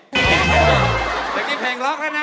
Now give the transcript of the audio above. เดี๋ยวกินเพลงล็อกแล้วนะ